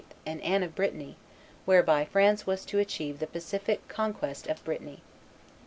and Anne of Brittany, whereby France was to achieve the pacific conquest of Brittany.